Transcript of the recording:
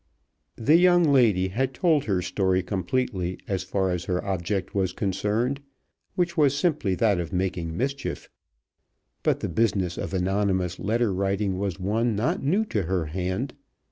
The young lady had told her story completely as far as her object was concerned, which was simply that of making mischief. But the business of anonymous letter writing was one not new to her hand.